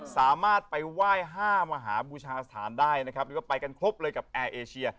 สามารถไปไหว้๕มหาบูชาสถานได้นะครับแล้วก็ไปกันครบเลยกับแอร์เอเชีย